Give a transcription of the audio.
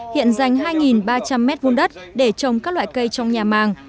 hiện dành hai ba trăm linh mét vùng đất để trồng các loại cây trong nhà màng